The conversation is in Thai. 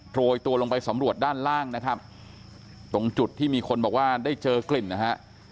โรยตัวลงไปสำรวจด้านล่างนะครับตรงจุดที่มีคนบอกว่าได้เจอกลิ่นนะฮะ